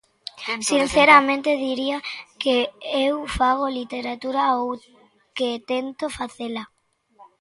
Sinceramente, diría que eu fago literatura ou que tento facela.